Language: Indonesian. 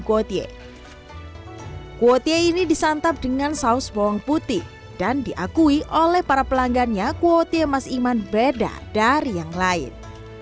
kuotie ini disantap dengan saus bawang putih dan diakui oleh para pelanggannya kuotie mas iman beda dari yang lain